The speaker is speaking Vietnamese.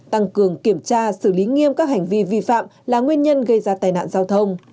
tăng cường kiểm tra xử lý nghiêm các hành vi vi phạm là nguyên nhân gây ra tai nạn giao thông